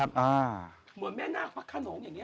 เหมือนแม่หน้ากลับข้านงอย่างนี้หรือ